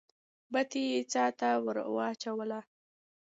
بتۍ يې څا ته ور واچوله.